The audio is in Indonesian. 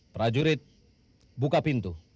prajurit buka pintu